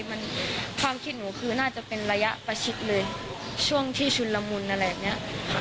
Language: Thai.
มันความคิดหนูคือน่าจะเป็นระยะประชิดเลยช่วงที่ชุนละมุนอะไรแบบเนี้ย